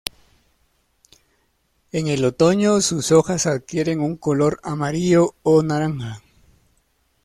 En el otoño sus hojas adquieren un color amarillo o naranja.